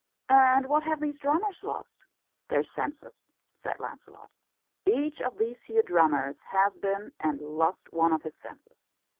"And what have these drummers lost?" "Their senses," said Lancelot. "Each of these here drummers has been and lost one of his senses.